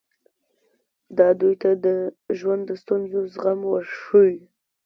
دا دوی ته د ژوند د ستونزو زغم ورښيي.